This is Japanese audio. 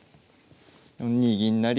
４二銀成。